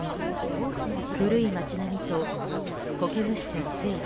古い街並みと苔むした水路。